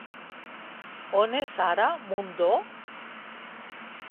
On és ara Mundó?